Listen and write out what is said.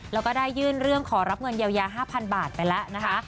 แล้วก็ได้ยื่นเรื่องขอรับเงินเยียวยา๕๐๐๐บาทไปแล้วนะคะ